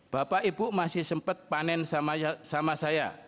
bapak ibu masih sempat panen sama saya